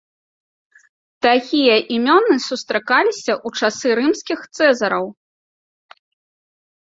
Такія імёны сустракаліся ў часы рымскіх цэзараў.